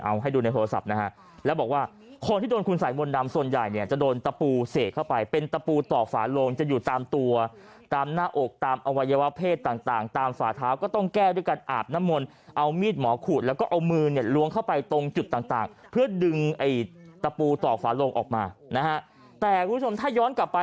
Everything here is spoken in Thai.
เอาให้ดูในโทรศัพท์นะฮะแล้วบอกว่าคนที่โดนคุณสายมนต์ดำส่วนใหญ่เนี่ยจะโดนตะปูเสกเข้าไปเป็นตะปูต่อฝาโลงจะอยู่ตามตัวตามหน้าอกตามอวัยวะเพศต่างตามฝาเท้าก็ต้องแก้ด้วยการอาบน้ำมนต์เอามีดหมอขูดแล้วก็เอามือเนี่ยล้วงเข้าไปตรงจุดต่างต่างเพื่อดึงไอ้ตะปูต่อฝาโลงออกมานะฮะแต่คุณผู้ชมถ้าย้อนกลับไป